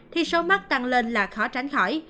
thì số mắc tăng lên là khó tránh khỏi